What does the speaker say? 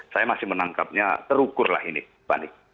saya masih menangkapnya terukur lah ini fani